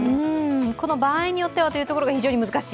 この場合によってはというところが非常に難しい？